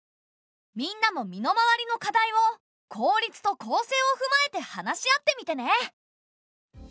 みんなも身の回りの課題を効率と公正をふまえて話し合ってみてね。